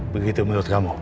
begitu menurut kamu